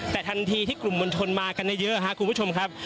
แต่ทันทีที่กลุ่มมวลชนมากันเยอะครับคุณผู้ชมครับ